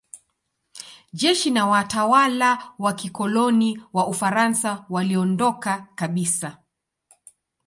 Jeshi na watawala wa kikoloni wa Ufaransa waliondoka kabisa.